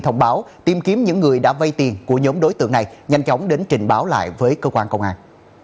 thông báo tìm kiếm những người đã vây tiền của nhóm đối tượng này nhanh chóng đến trình báo lại với cơ quan công an